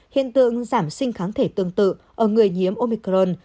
hiện tượng giảm sinh kháng thể tương tự ở người nhiễm omicron